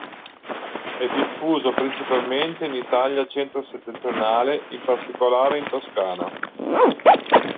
È diffuso principalmente in Italia centro-settentrionale, in particolare in Toscana.